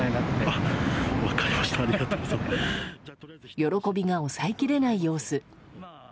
喜びが抑えきれない様子。